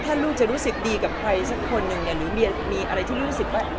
ถ้าลูกจะรู้สึกดีกับใครสักคนหนึ่งเนี่ยหรือมีอะไรที่ลูกรู้สึกว่า